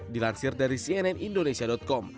dilansir dari cnn indonesia com